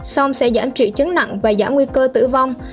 song sẽ giảm triệu chứng nặng và giảm nguy cơ tử vong